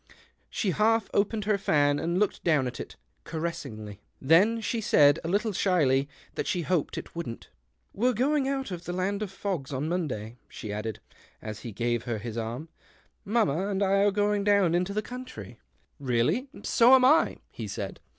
She half opened her fan, and looked down at it caressingly. Then she said, a little shyly, that she hoped it wouldn't. "We're going out of the land of fogs on Monday," she added, as he gave her his arm ;" mamma and I are going down into the country." TFIE OCTAVE OF CLAUDIUS. 161 " Really ? So am I," he said.